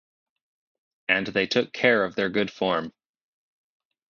And they took care of their good form.